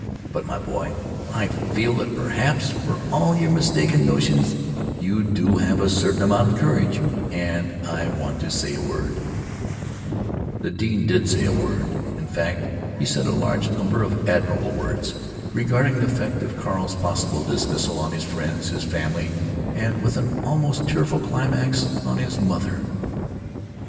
But, my boy, I feel that perhaps, for all your mistaken notions, you do have a certain amount of courage, and I want to say a word——" The dean did say a word; in fact he said a large number of admirable words, regarding the effect of Carl's possible dismissal on his friends, his family, and, with an almost tearful climax, on his mother.